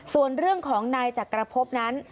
ส่วนเรื่องของนายจักรพบนั้น